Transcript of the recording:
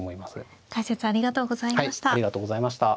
解説ありがとうございました。